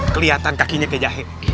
kelihatan kakinya kayak jahe